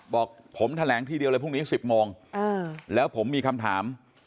บอกผมแถลงทีเดียวเลยพรุ่งนี้๑๐โมงแล้วผมมีคำถาม